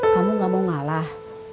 kamu gak mau ngalah